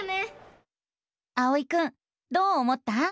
あおいくんどう思った？